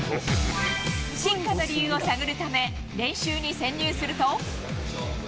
進化の理由を探るため、練習に潜入すると。